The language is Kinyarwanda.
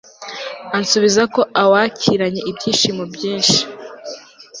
ansubiza ko awakiranye ibyishimo byinshi